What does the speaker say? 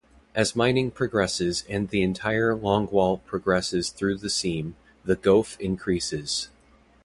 As mining progresses and the entire longwall progresses through the seam, the goaf increases.